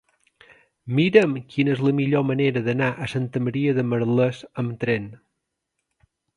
Mira'm quina és la millor manera d'anar a Santa Maria de Merlès amb tren.